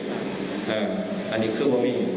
อันนี้คือพ่อมี